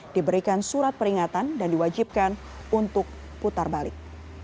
diberikan surat peringatan dan diwajibkan untuk putar balik